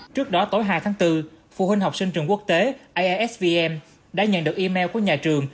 trước đó tối hai tháng bốn phụ huynh học sinh trường quốc tế aisvn đã nhận được email của nhà trường